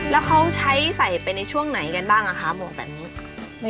แล้วเขาใช้ใส่ไปในช่วงไหนกันบ้างคะหมวกแบบนี้